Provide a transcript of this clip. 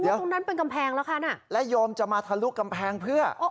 ตรงนั้นเป็นกำแพงแล้วค่ะน่ะและโยมจะมาทะลุกำแพงเพื่อ